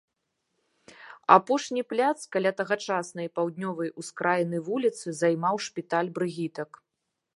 Апошні пляц каля тагачаснай паўднёвай ускраіны вуліцы займаў шпіталь брыгітак.